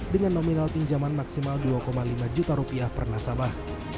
dengan nominal pinjaman maksimal dua lima juta rupiah per nasabah